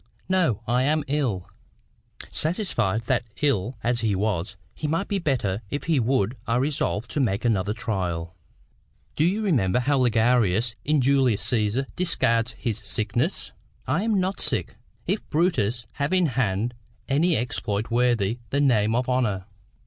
"No; I am ill." Satisfied that, ill as he was, he might be better if he would, I resolved to make another trial. "Do you remember how Ligarius, in Julius Caesar, discards his sickness?— "'I am not sick, if Brutus have in hand Any exploit worthy the name of honour.